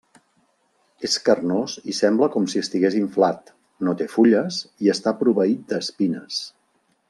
És carnós i sembla com si estigués inflat, no té fulles i està proveït d'espines.